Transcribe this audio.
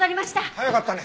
早かったね。